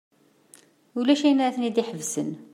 Ulac ayen ara ten-id-iḥebsen.